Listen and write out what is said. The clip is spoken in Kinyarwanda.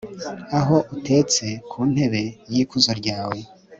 aho utetse ku ntebe y'ikuzo ryawe